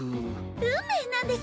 運命なんです！